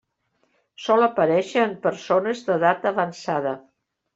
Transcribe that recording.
Sol aparèixer en persones d'edat avançada.